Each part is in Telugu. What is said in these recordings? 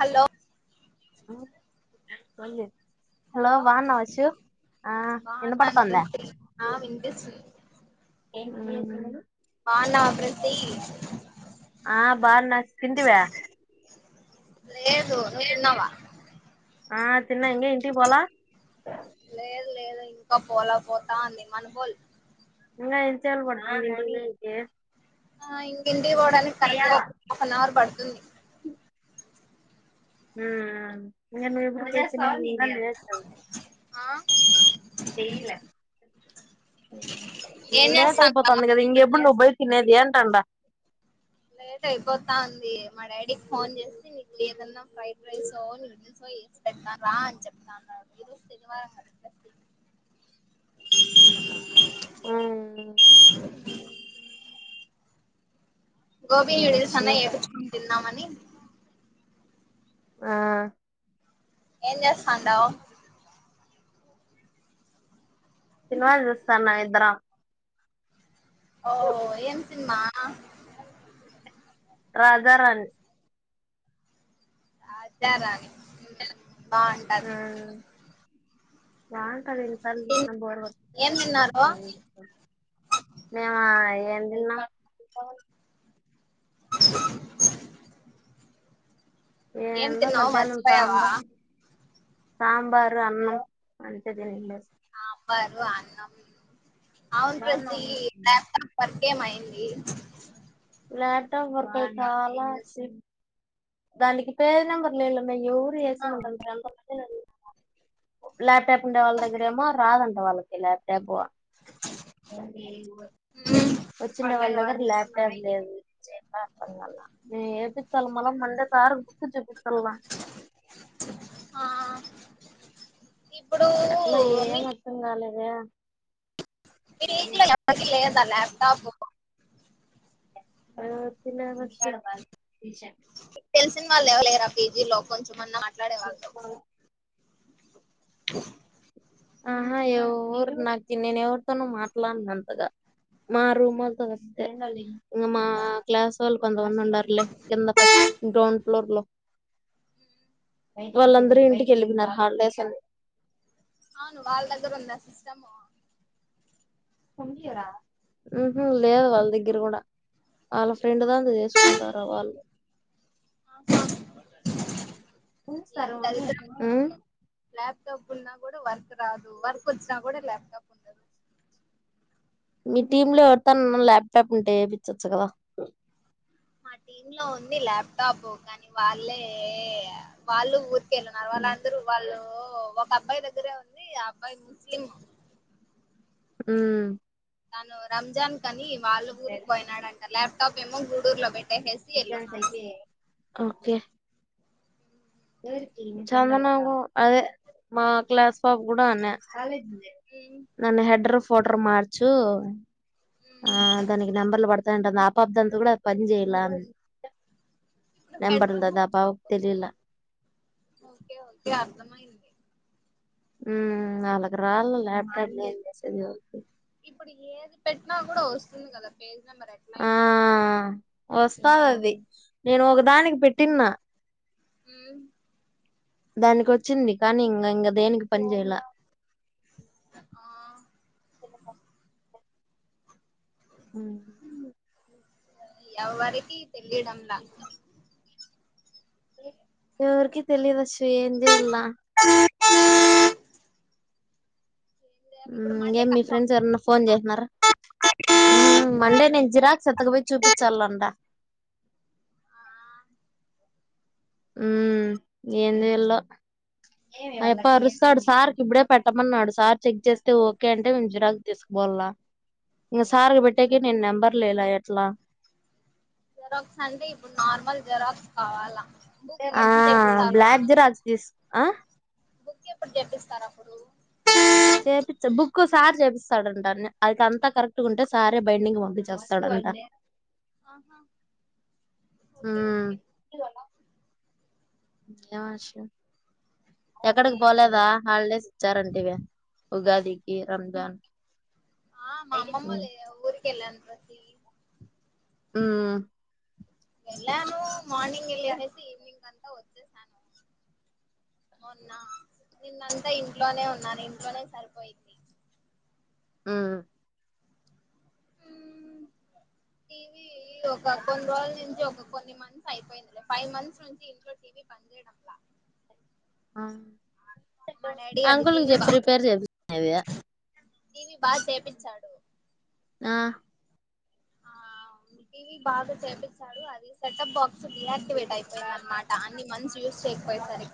హలో హ మల్లి చ్ హలో బాగున్నాన్ వినపడుతుందా వార్ది హా వినిపిస్తుంది బాలా అభివృద్ది ఆ బావున్నా తింటివ్యా లేదు నువ్వు తిన్నావా ఆ తిన్న ఇంగ ఇంటికి పోల లేదు లేదు ఇంకా పోలా పోతా అంది మనుగోల్ ఇంగ ఎంత సేపు పడ్తది పోనికి ఆ ఇ ఇంటికి పోవడానికి కరెక్ట్గా ఒక హఫ్ నవర్ పడుతుంది హు హు ఇంగ నువ్ ఎప్పుడు [unintelligible] ఇంగ లేటు కదా ఆ ఏమ్లా ఏం లేట్ చేస్తాన్నావ్ అయిపోతుంది కదా ఇంక ఎప్పుడు బయ తినేది అంటాండ లేట్ అయిపోతా ఉంది మా డాడీకి ఫోన్ చేసి నీకు ఏదన్నా ఫ్రైడ్ రైసో నూడిల్స్ఒ చేసి పెడతాను రా అని చెప్తాన్నాడు ఈ రోజు శనివారం కద గోబీ ఇంకేం న్యూడిల్స్ అచ్చు అన్నా ఏపించుకోని తిందామని ఆ ఏం చేస్తాండవ్ సినిమా చూస్తన్న ఇద్దరం ఓ ఏమీ సినిమా ఆ రాజా రాన్ రాజా రాన్ హు బాగుంటాది కాన్ రెండు సార్లు చూసినం బోర్ ఏం తిన్నారు కొడు మ్యా ఇ ఎం తిన్నా అబా ఏం ఏందో తిన్నావ్ మధ్యాహ్నం మరచిపోయవా సాంబార్ సాంబారు అన్నం మంచిది సాంబార్ అన్నం అవును [unintelligible] ఏమయింది ల్యాప్టాప్ వర్కు చాలా దానికి పేరు నంబర్ల లేదు ఎవరు [unintelligible] ల్యాప్ ట్యాప్ ఉండే వాళ్ళ దగ్గరమో రాదంట వాళ్ళకి ల్యాప్ట్యాప్ మ్మ్. వచ్చిన వాళ్ళ దగ్గర ల్యాప్ట్యాప్ లేదు ఆ ఇప్పుడు మీ అ మీరు ఇజిగా లేదు ల్యాప్ టాప్ ఊ తినే వచ్ తెలిసిన వాళ్ళు ఎవరులేర ఆ పేజీలో కొంచెమన్న నడవాల్తో ఆహా ఎవ్వరు నాకు నేను ఎవరితోను మాట్లాడను. అంతగా మా రూమళ్లతో తప్పితే ఇంగ మా క్లాస్ వాళ్ళు కొంతమంది ఉండారులే. కింద ఫస్ట్ గ్రౌండ్ ఫ్లోర్ లో వాళ్ళందరూ ఇంటికి వెళ్లిగినరు హాలిడేస్ అని. వు వాళ్లదగ్గర ఉందా సిస్టమ్ ఉహు లేదు వాళ్ళ దగ్గర కూడా వాళ్ళ ఫ్రెండ్ దాన్నితో చేసుకుంటారు వాళ్ళు ఆహా ఏం సరని అంట దరిద్రం ఉ ల్యాప్టాప్ ఉన్నా కూడా వర్క్ రాదు వర్క్ వచ్చినా కూడా లాప్ టాప్ ఉండదు మీ టీమ్ లో ఎవరితానన్నా ల్యాప్టాప్ ఉంటే ఏపించొచ్చు కదా మా టీమ్ లో ఉంది ల్యాప్టాప్ కానీ వాళ్ళే వాళ్ళు న్నారు ఉమ్ వాళ్ళందరు వాళ్ళు ఓ ఒక అబ్బాయి దగ్గరే ఉంది ఆ అబ్బాయి ముస్లిం ఉ తను రంజాన్ కానీ వాళ్ళ ఊరికి పోయినాడంటల లే ఆపాపేమో గు గుర్ లో పెట్ ఎగ్జామ్స్ అయిపోయినయ్ ఓకే ఎవరికి చందనాకు అదే మా క్లాస్ పాప కూడా అననే కాలేజ్ నన్న హెడ్రప్ ఫోటోర్ మార్చు ఆ దానికి నంబర్ల్ పడుతు అంట అ ఆపాప దంతో కూడా అది పని చెయలా ఇప్పుడు నెంబర్ హెడ్రూ ఉందదా అ పాపకు తెలిలా ఓకే ఓకే అర్థమైంది ఉమ్ నాలుగు రాళ్ ల్యాప్టాప్ ఏం చేసేది ఎవరికి ఇప్పుడు ఏది పెట్నా కూడా వస్తుంది కదా పేజ ఆ వస్తాంది నేను ఒకదానికి పెట్టిన్న హ్మ్ ఉ దానికి వచ్చింది కానీ ఇంకా ఇంకా దేనికి పని చేయలా ఆ హు ఎవ్వరికి తెలిడంలా ఎవరికి తెలియదు శ్రీఏం చేయాలా ఏం చేయాలి హు ఇప్పుడు ఇగమే మండే మీ కన్ఫర్మ్ ఫ్రెండ్స్ ఎవరన్నా ఫోన్ చేసినారా మండే నేను జిరాక్ ఎత్తుకుపోయి చూపించాలంట ఆ ఉ ఏంచేయాలో అప్పా అరుస్తాడు సార్ కి ఇప్పుడే పెట్టమన్నాడు సార్ చెక్ చేస్తే ఓకే అంటే మేము జిరాక్స్ తీసుకుపోవలా ఇంక సార్ కి పెట్టేకి నేను నెంబర్ లేలా ఎట్లా జిరాక్స్ అంటే ఇప్పుడు నార్మల్ జరాక్స్ కావాలా బుక్ ఆ ఎప్పుడు తెప్పిస్తారు బ్లాక్ జిరాక్స్ తీస్ ఆ బుక్ ఎప్పుడు తెప్పిస్తారు అప్పుడు చేపిస్తా బుక్ సార్ చేపిస్తాడుంటా నే అయితే అంతా కరెక్ట్ గా ఉంటే సారే బైండింగ్ కు పంపిచేస్తాడంట ఓకే ఉమ్ ఓకే ఆశ ఎక్కడికి ఏంటి పోలేదా హాలిడేస్ ఇచ్చారంటివి ఉగాదికి రంజాన్ కి ఆ మా అమ్మమ్మ ఉమ్ లేదు ఊరికి వెళ్లిది అ హు వెళ్ళాను మార్నింగ్ వెళ్ళసేసి ఈవినింగ్ అంతా వచ్చేసాను మొన్న నిన్నంతా ఇంట్లోనే ఉన్నాను ఇంట్లోనే సరిపోయింది ఉహు హు టీవీ ఒక కొన్ని రోజుల నుంచి ఒక కొన్ని మంత్స్ అయిపోయింది ఫైవ్ మంత్స్ నుంచి ఇంట్లో టీవీ పని చేయడంలా ఆ మా డాడీ అది అంకుల్ కి చెప్పి రిపేర్ చేపించుకునేది టీవి బాగా చేపించాడు ఆ ఆ టీవీ బాగా చేపించాడు అది సెటప్ బాక్స్ డియాక్టివేట్ అయిపోయింద అన్నామాట కొన్ని మంత్స్ రూల్స్ ఎక్కువ అయితాన్నాయి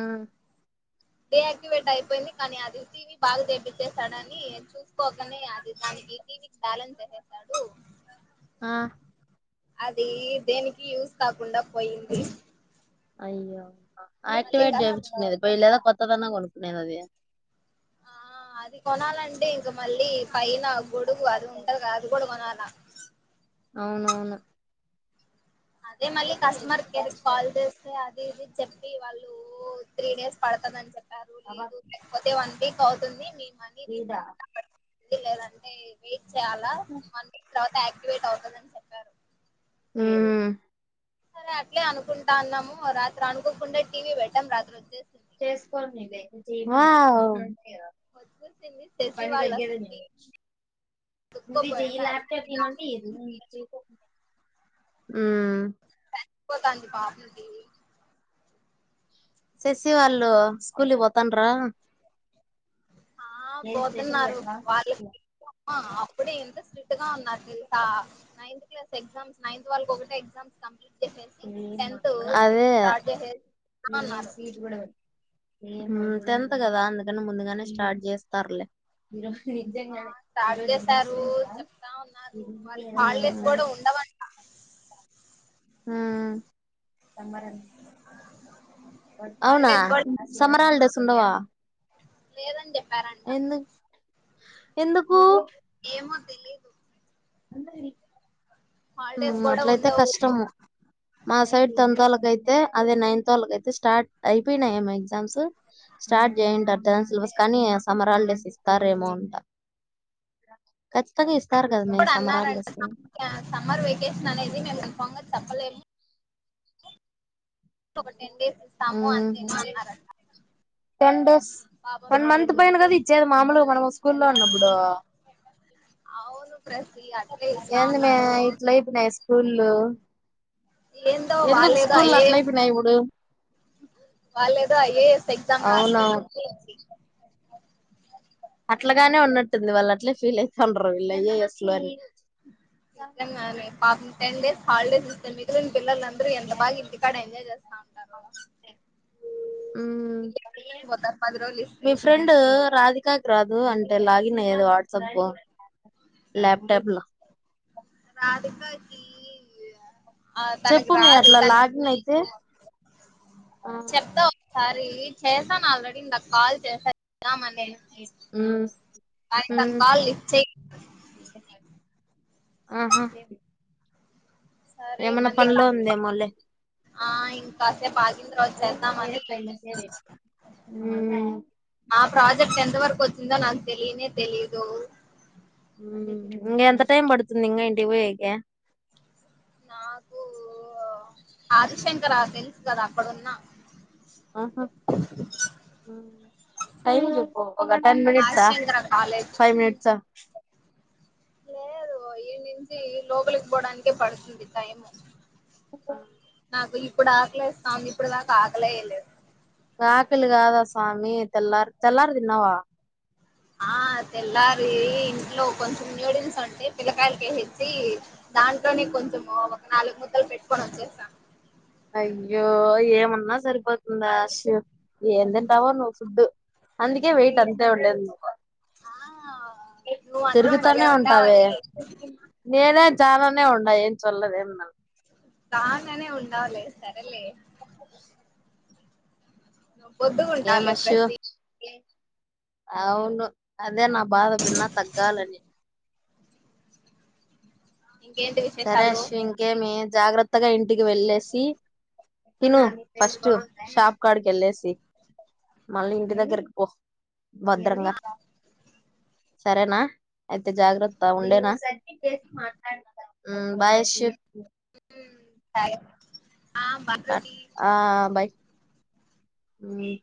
ఉమ్ డి యాక్టివేట్ అయిపోయింది కానీ అది టీవీ బాగా తెప్పచ్చేసాడని చూసుకోకనే అది దానికి టీవీకి బ్యాలెన్స్ ఎసెసాడు ఆ అది దేనికి యూజ్ కాకుండా పోయింది అయ్యో మళ్ళీ ఆక్టివేట్ కస్ చేపించుకో పోయేలేదా కొత్తది అన్న కొనుకునే అది ఆ అది కొనాలంటే ఇగ మళ్ళీ పైన నా గోడుగు అది ఉంటాది గా అది కూడా కొనాల ఆ అవునవును అదే మళ్ళీ కస్టమర్ కేర్ కాల్ చేస్తే అది టీవీ చెప్పి వాళ్ళు త్రీ డేస్ పడుతాదని చెప్పి అది లేదు లేకపోతే వన్ వీక్ అవుతుంది మీ మనీ రిఫండ్ అంట అవ్వదు లేదు అంటే వే చేయాలా వన్ వీక్ తర్వాత ఆ లేట్ అవుతదని చెప్పారు ఉం సరే అట్లే అనుకుంటా అన్నాము రాత్రి అనుకోకుండా టీవీ పెట్టాం రాత్రి వచ్చే చేసుకొనేలే నువ్ చెయ్ ఆ వద్సింది తెసిీ వాళ్ళసలుకి దుఃఖ పోయన [unintelligible] ఆ త అజ పాపలు [unintelligible] శశివాళ్ళు స్కూల్కి పోతానరా ఆ పోతున్నారు వాళ్ళకి అప్పుడే ఎంత స్ట్రిక్ట్ గా ఉన్నారో తెలుసా నైన్త్ క్లాస్ ఎగ్జామ్స్ నైన్త్ వాళ్ళకి ఒకటే ఎగ్జామ్స్ క అదే స్టార్ట్ చేసేసి అన్నారు టెన్త్ కదా అందుకని ముందుగానే స్టార్ట్ చేస్తారులే ఆ నిజంగానే స్టార్ట్ చేశారు ఈరోజుంచి సార్ చెప్తా ఉన్నారు వాళ్ళకి హాలిడేస్ చెారు కూడా ఉండవంట ఆ సమ్మర్ అవునా హాలిడేస్ సమ్మరాాల డేస్ ఉండవా లేదండి వరంట ఎందు ఎందుకు ఏమో తెలీదు అ ఉ హాలిడేస్ కూడా అట్లయితే ఉండవు కష్టము మా సైడ్ తొమ్మిదోళ్ళకైతే అ అదే నైన్త్ వాళ్ళక అయితే స్టార్ట్ అయిపోయిన ఏమో ఎగ్జామ్స్ స్టార్ట్ చేసింటారు టెన్త్ సిలబస్ కానీ సమ్మర్ హాలిడేస్ ఇస్తారేమో అంట ఖచ్చితంగా ఇస్తారు కదా మే ఇప్పుడు సమ్మర్ అన్నారంట హాలిడేస్ సమ్మర్ సమ్మర్ వెేకేషన్ అనేది మేము పొంగల్ తప్పలే డేస్ ఇస్తాము ఉ అంతేనా అన్నారంట టెన్ డేస్ పాపం వన్ మంత్ పైన కదా ఇచ్చేది మామూలుగా మనం వ స్కూల్ లొ ఉన్నప్పుడు అవును ప్రసి అట్లే ఇస్తా ఎంది మే ఉన్నారు ఇట్లయిపోయినాయి స్కూలు ఏందో ఎందుకు వాళ్ళేదో స్కూల్ లు అట్ల ఐఏఎస్ అయిపోయినాయి ఇప్పుడు వాళ్ళేదో ఐఏఎస్ ఎగ్జామ్ రాస్తున్నారు అవునవును అట్లగానే ఉన్నట్టుంది వాళ్ళు అట్లే ఫీల్ అవుతాండ్రు వీళ్ళు ఐ ఏ యెస్ లని పాపం టెన్ డేస్ హాలిడేస్ ఇ మిగిలిన పిల్లలందరు ఎంత బాగ ఇంటి కాడ ఎంజాయ్ చేస్తా ఉంటారు ఉ పోతారు పది రోజులు ఇస్తే మీ ఫ్రెండ్ రాధిక కా రాదు అంటే లాగిన్ అయ్యేదు వాట్సాప్ ల్యాప్టాప్ లో రాధిక కి చెప్పు మే అట్లా లాగిన్ అయితే చెప్తా సారి చేశాను ఆల్రెడీ ఇందాక కాల్ చేశా దామనే. మ్మ్ కానీ తన మ్మ్ కాల్ లీఫ్ చెయ్. హు హ్మ్. సరే మళ్ళీ ఉందేమోలే ఆ ఇంకాసేపు అగినతర్వత చేద్దామని. మ్మ్ మా ప్రాజెక్ట్ ఎంతవరకు వచ్చిందో నాక్. తెలీనే తెలీదు. ఉమ్ ఇంగ ఎంత టైం పడుతుంది ఇంగా ఇంటిపోయెకే. నాకూ. ఆదిశంకరా తెలుసు కదా. పడున్నా. అహా టైమ్ జెప్పు. ఒక టెన్ మినిట్స్ ఆ ఆదిశంకర కాలేజ్ ఫైవ్ మినిట్స్ ఆ. లేదు ఈడ్నించి లోపలికి పోడానికి పడుతుంది టైము. నాకు ఇప్పుడాకలేస్తాంది ఇప్పుడ్దాక ఆకలే ఎయలే. ఆకలి గాదా స్వామి తెల్లార్ తెల్లార్ దిన్నవ. ఆ తెల్లారీ ఇంట్లో కొంచెం న్యూడిల్స్ వొండి పిల్లకాయలకేసిచ్చి. దాంట్లొనె కొంచెమూ. నాలుగు ముద్దలు పెట్టుకొని ఒచ్చేసా. అయ్యో ఏమన్న సరిపోతుందాశ్. ఎంతింటావోనువ్ ఫుడ్డు. అందుకె వెయిట్ అంతే ఉండది. ఆ. నువ్వు మాత్రం భలే తిరుగుతానే ఉంటావె ఉంటావని నేనే. చాలానే ఉడ్డాయ్ ఏం చిల్లెద్ ఏం. తాంగనే ఉండాలే సరేలే. పొద్దుగుండలే ప్రతి. ఎ అవును. దే నా బాధ బిన్నా తగ్గాలని. ఇంకేంటి విశేషాలు సరశిం కేమీ. జాగ్రత్తగ ఇంటికి వెళ్ళేసి. తిను ఫస్టు షాప్ కాడ్కెళ్ళేసి. మళ్ళీ ఇంటి దగ్గరక్ పో బద్రంగా సరేనా. జాగ్రత్త ఉండేనా. చేస్ మాట్లాడ్నగ. ఉమ్ బాయేషు. ఉమ్. ఆ బై. ఉమ్.